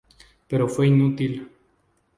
Pero fue inútil.